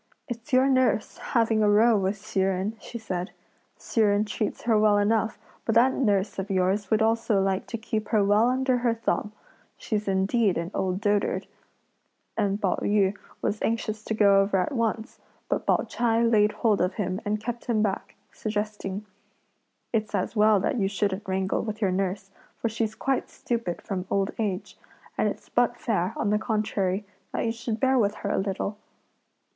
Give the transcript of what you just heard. "It's your nurse having a row with Hsi Jen!" she said. "Hsi Jen treats her well enough, but that nurse of yours would also like to keep her well under her thumb; she's indeed an old dotard;" and Pao yü was anxious to go over at once, but Pao ch'ai laid hold of him and kept him back, suggesting: "It's as well that you shouldn't wrangle with your nurse, for she's quite stupid from old age; and it's but fair, on the contrary, that you should bear with her a little."